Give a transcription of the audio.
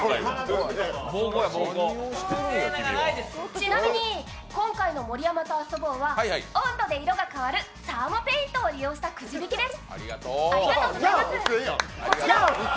ちなみに今回の盛山と遊ぼうはサーモペイントを利用したくじ引きです。